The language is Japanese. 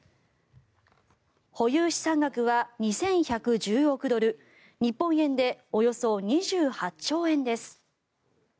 保有資産額は２１１０億ドル日本円でおよそ２８兆円です。